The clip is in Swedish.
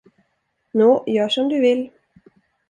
Nå, gör som du vill!